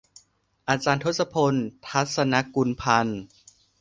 อาจารย์ทศพล ทรรศนกุลพันธ์